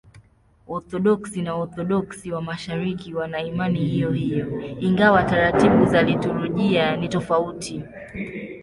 Waorthodoksi na Waorthodoksi wa Mashariki wana imani hiyohiyo, ingawa taratibu za liturujia ni tofauti.